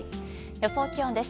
予想気温です。